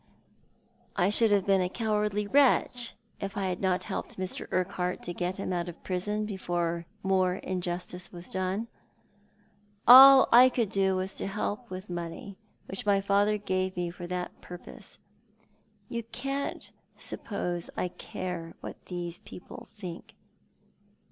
I should have been a 1 66 Thoji a7't the Man. cowardly wretch if I had not helped Mr. Urquhart to get him out of prison before more injustice was done. All I could do was to help with money — which my father gave me for that purpose. You can't suppose I care what these people think."